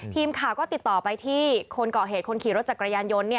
ทีมข่าวก็ติดต่อไปที่คนก่อเหตุคนขี่รถจักรยานยนต์